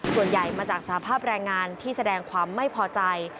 ส่วนใหญ่มาจากสภาพแรงงานที่แสดงความไม่พอใจ